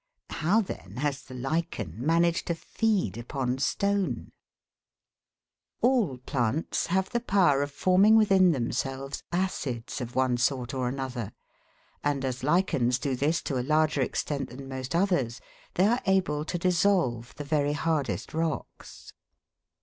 How then has the lichen managed to feed upon stone ? All plants have the power of forming within themselves acids of one sort or another,* and as lichens do this to a larger extent than most others, they are able to dissolve the very hardest rocks.